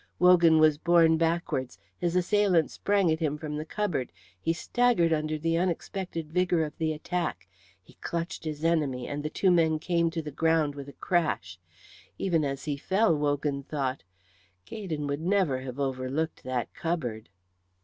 Wogan was borne backwards, his assailant sprang at him from the cupboard, he staggered under the unexpected vigour of the attack, he clutched his enemy, and the two men came to the ground with a crash. Even as he fell Wogan thought, "Gaydon would never have overlooked that cupboard."